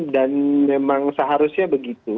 dan memang seharusnya begitu